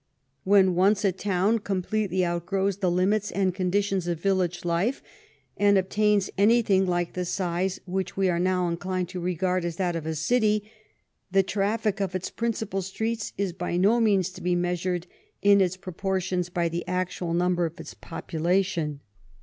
When once a town completely outgrows the limits and conditions of village life and obtains any thing like the size which we are now inclined to regard as that of a city, the traffic of its principal streets is by no means to be measured in its proportions by the actual number, of its population.